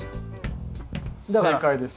正解です。